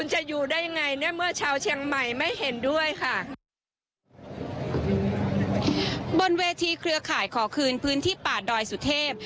เห็นด้วยค่ะบนเวทีเครือข่ายขอคืนพื้นที่ป่าดอยสุเทพฯ